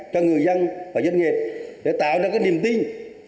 cho người dân và doanh nghiệp để tạo ra cái niềm tin